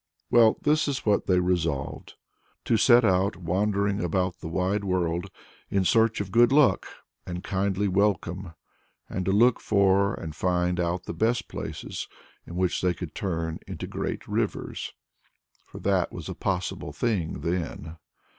Well, this is what they resolved: to set out wandering about the wide world in search of good luck and a kindly welcome, and to look for and find out the best places in which they could turn into great rivers for that was a possible thing then.